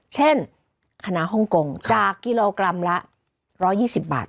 คณะฮ่องกงจากกิโลกรัมละ๑๒๐บาท